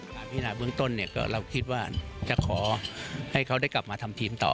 ที่หน้าเบื้องต้นเราคิดว่าจะขอให้เขาได้กลับมาทำทีมต่อ